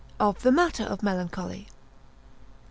—Of the Matter of Melancholy.